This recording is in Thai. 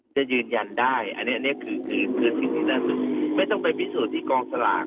จะยืนยันได้อันเนี่ยอันเนี่ยคือคือคือที่ที่น่าจะไม่ต้องไปพิสูจน์ที่กองสลาก